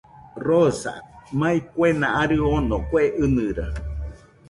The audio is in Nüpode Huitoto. Rosa, mai kuena arɨ ono, kue ɨnɨra